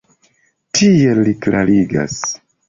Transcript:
Tiel li klarigas.